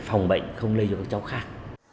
phòng bệnh không lây dụng cho các cháu khác